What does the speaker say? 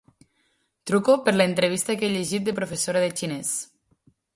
Truco per l'entrevista que he llegit de professora de xinès.